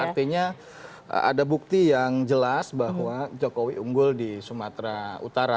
artinya ada bukti yang jelas bahwa jokowi unggul di sumatera utara